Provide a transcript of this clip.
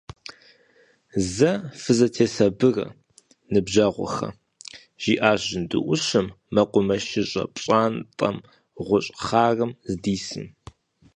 Зэ фызэтесабырэ, ныбжьэгъухэ! – жиӀащ жьынду Ӏущым, мэкъумэшыщӀэ пщӀантӀэм гъущӀ хъарым здисым.